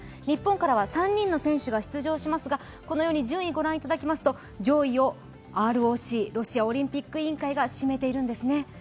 日本からは３人の選手が出場しますが、順位を確認しますと上位をＲＯＣ＝ロシアオリンピック委員会が占めているんですね。